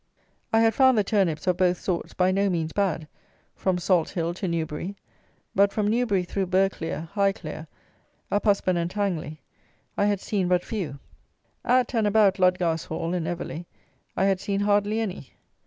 I had found the turnips, of both sorts, by no means bad, from Salt Hill to Newbury; but from Newbury through Burghclere, Highclere, Uphusband, and Tangley, I had seen but few. At and about Ludgarshall and Everley, I had seen hardly any.